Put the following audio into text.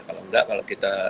kalau enggak kalau kita